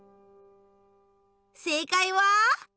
せいかいは。